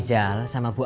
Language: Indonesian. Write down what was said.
jangan pake bete